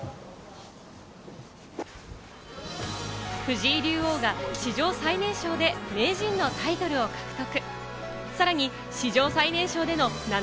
藤井竜王が史上最年少で名人のタイトルを獲得。